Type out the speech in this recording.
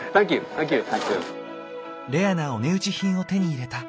レアなお値打ち品を手に入れた。